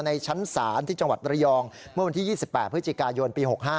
ในชั้นศาลที่จังหวัดระยองเมื่อวันที่๒๘พฤศจิกายนปี๖๕